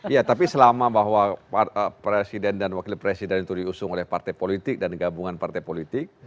ya tapi selama bahwa presiden dan wakil presiden itu diusung oleh partai politik dan gabungan partai politik